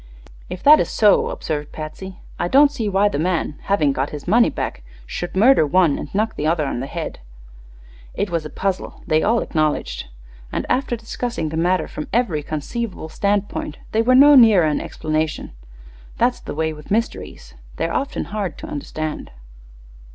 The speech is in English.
"If that is so," observed Patsy, "I don't see why the man, having got his money back, should murder one and knock the other on the head." It way a puzzle, they all acknowledged, and after discussing the matter from every conceivable standpoint they were no nearer an explanation. That's the way with mysteries; they're often hard to understand.